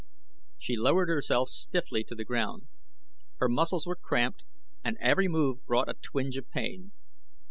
She lowered herself stiffly to the ground. Her muscles were cramped and every move brought a twinge of pain.